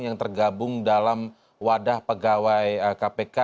yang tergabung dalam wadah pegawai kpk